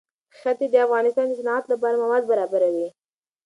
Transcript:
ښتې د افغانستان د صنعت لپاره مواد برابروي.